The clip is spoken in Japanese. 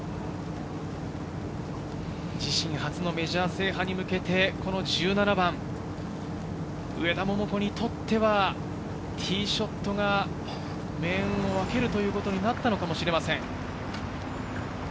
自身初のメジャー制覇に向けて、この１７番、上田桃子にとっては、ティーショットが命運を分けるということになったのかもしれません。